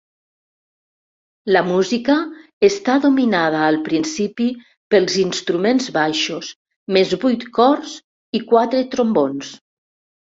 La música està dominada al principi pels instruments baixos, més vuit corns i quatre trombons.